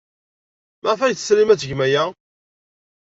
Maɣef ay tesrim ad tgem aya?